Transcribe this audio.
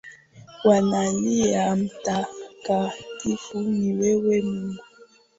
Wanalia mtakatifu, ni wewe Mungu